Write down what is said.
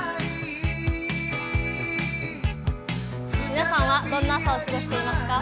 皆さんはどんな朝は過ごしていますか？